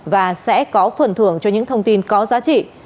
và sẽ có phần thưởng cho những thông tin có giá trị